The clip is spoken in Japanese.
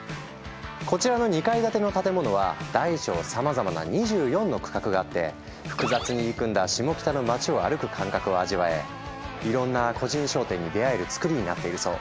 こちらの２階建ての建物は大小さまざまな２４の区画があって複雑に入り組んだシモキタの街を歩く感覚を味わえいろんな個人商店に出会えるつくりになっているそう。